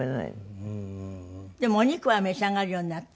でもお肉は召し上がるようになった？